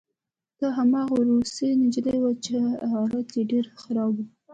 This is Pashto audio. دا هماغه روسۍ نجلۍ وه چې حالت یې ډېر خراب و